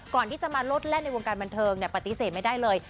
ก่อนที่จะมาลดแล่นในวงการบันเทิงปฏิเสธไม่ได้เลย